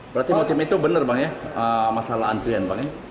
berarti motif itu benar ya masalah antrian